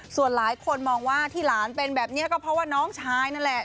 ส่วนหลายคนมองว่าที่หลานเป็นแบบนี้ก็เพราะว่าน้องชายนั่นแหละ